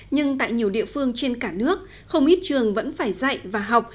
nhưng tại nhiều địa phương trên cả nước không ít trường vẫn phải dạy và học